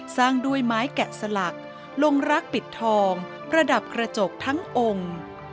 สร้างด้วยไม้แกะสลักลงรักปิดทองประดับกระจกทั้งองค์